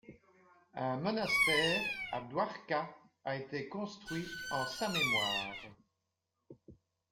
Un monastère à Dwarka a été construit en sa mémoire.